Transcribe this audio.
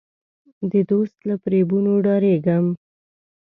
د دوست له فریبونو ډارېږم.